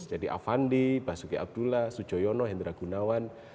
jadi avandi basuki abdullah sujoyono hendra gunawan